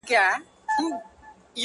زه به يې ياد يم که نه;